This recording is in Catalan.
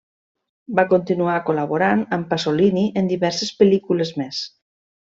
Va continuar col·laborant amb Pasolini en diverses pel·lícules més.